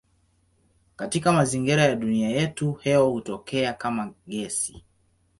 Katika mazingira ya dunia yetu hewa hutokea kama gesi.